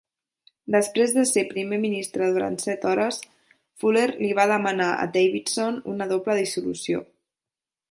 Després de ser primer ministre durant set hores, Fuller li va demanar a Davidson una doble dissolució.